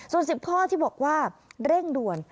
ส่วน๑๐ข้อที่บอกว่าเร่งด่วน